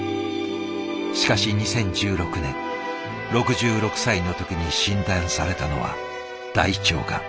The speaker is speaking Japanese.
しかし２０１６年６６歳の時に診断されたのは大腸がん。